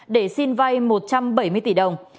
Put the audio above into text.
để xin vay một trăm bảy mươi tỷ đồng